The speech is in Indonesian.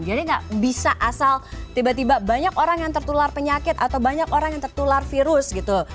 jadi gak bisa asal tiba tiba banyak orang yang tertular penyakit atau banyak orang yang tertular virus gitu